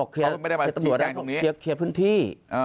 เครียร์พื้นที่